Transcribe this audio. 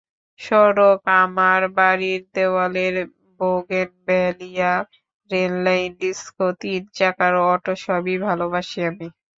সড়ক, আমার বাড়ির দেয়ালের বোগেনভ্যালিয়া, রেললাইন, ডিস্কো, তিন চাকার অটো—সবই ভালোবাসি আমি।